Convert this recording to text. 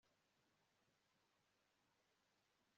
bamenyesha gufata ikigo cya gereza ndetse no mubibazo bye bwite